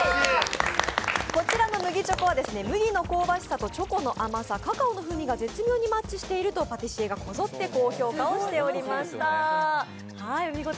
こちらの麦チョコは麦の香ばしさとカカオの風味が絶妙にマッチしているとパティシエがこぞって高評価をしておりました。